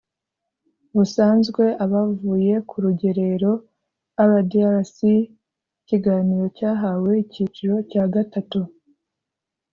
busanzwe abavuye ku rugerero rdrc ikiganiro cyahawe icyiciro cya gatatu